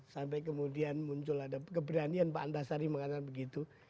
sampai kemudian muncul ada keberanian pak antasari mengatakan begitu